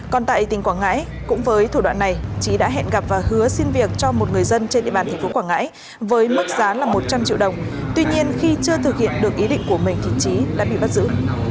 còn tại tỉnh quảng ngãi cũng với thủ đoạn này trí đã hẹn gặp và hứa xin việc cho một người dân trên địa bàn thành phố quảng ngãi với mức giá là một trăm linh triệu đồng tuy nhiên khi chưa thực hiện được ý định của mình thì trí đã bị bắt giữ